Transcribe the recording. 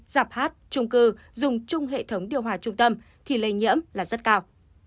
giạp hát trung cư dùng chung hệ thống điều hòa trung tâm thì lây nhiễm rất cao